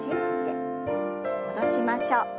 戻しましょう。